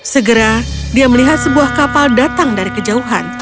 segera dia melihat sebuah kapal datang dari kejauhan